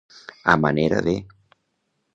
A manera de.